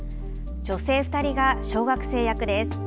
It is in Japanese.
女性２人が小学生役です。